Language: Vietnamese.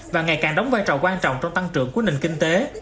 và ngày càng đóng vai trò quan trọng trong tăng trưởng của nền kinh tế